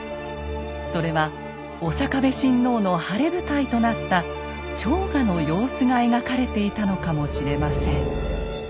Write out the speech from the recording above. それは刑部親王の晴れ舞台となった朝賀の様子が描かれていたのかもしれません。